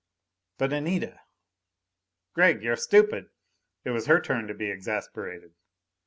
"But Anita " "Gregg, you're stupid!" It was her turn to be exasperated.